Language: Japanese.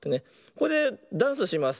これでダンスします。